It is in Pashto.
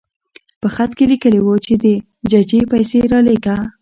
په خط کې لیکلي وو چې د ججې پیسې رالېږه.